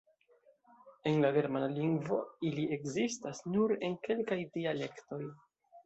En la Germana lingvo ili ekzistas nur en kelkaj dialektoj.